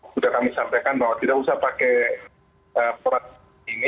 sudah kami sampaikan bahwa tidak usah pakai peraturan ini